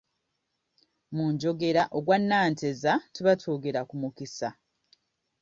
Mu njogera "Ogwa Nanteza" tuba twogera ku mukisa.